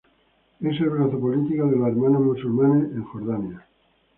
Es el brazo político de los Hermanos Musulmanes en Jordania.